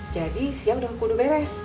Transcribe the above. jadi siang udah kudu beres